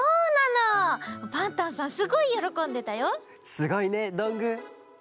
すごいねどんぐー！